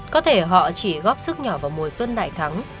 có thể họ chỉ góp sức nhỏ vào mùa xuân đại thắng